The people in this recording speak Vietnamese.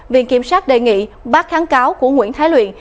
viện kiểm sát đề nghị bác kháng cáo của nguyễn thái luyện